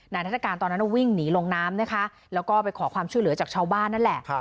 นาทัศกาลตอนนั้นวิ่งหนีลงน้ำนะคะแล้วก็ไปขอความช่วยเหลือจากชาวบ้านนั่นแหละ